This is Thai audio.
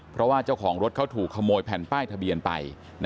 เพราะว่าเจ้าของรถเขาถูกขโมยแผ่นป้ายทะเบียนไป